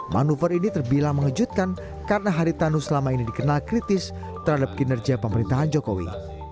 manuver ini terbilang mengejutkan karena haritanu selama ini dikenal kritis terhadap kinerja pemerintahan jokowi